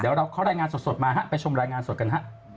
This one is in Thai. เดี๋ยวเราเขารายงานสดมาฮะไปชมรายงานสดกันฮะ